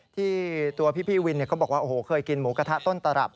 ที่ตัวพี่วินเขาบอกว่าโอ้โหเคยกินหมูกระทะต้นตรับ